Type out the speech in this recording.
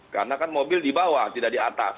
karena kan mobil di bawah tidak di atas